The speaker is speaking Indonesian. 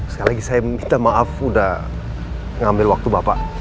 sekali lagi saya minta maaf udah ngambil waktu bapak